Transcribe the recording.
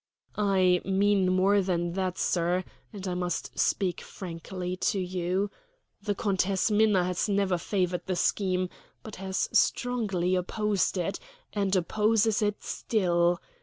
"I mean more than that, sir, and I must speak frankly to you. The Countess Minna has never favored the scheme, but has strongly opposed it and opposes it still.